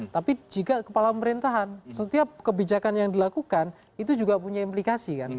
tapi jika kepala pemerintahan setiap kebijakan yang dilakukan itu juga punya implikasi kan